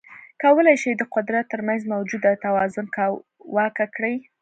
کولای شي د قدرت ترمنځ موجوده توازن کاواکه کړي.